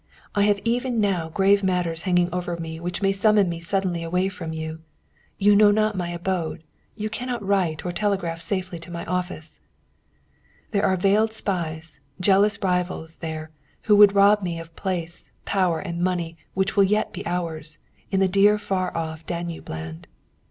I have even now grave matters hanging over me which may summon me suddenly away from you. You know not my abode. You cannot write or telegraph safely to my office. "There are veiled spies, jealous rivals, there, who would rob me of place, power, and the money which will yet be ours, in the dear far off Danube land.